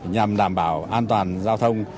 nhằm đảm bảo an toàn giao thông